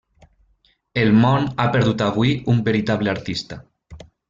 El món ha perdut avui un veritable artista.